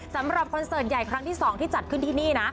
คอนเสิร์ตใหญ่ครั้งที่๒ที่จัดขึ้นที่นี่นะ